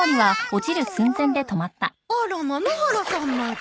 あらま野原さんまで。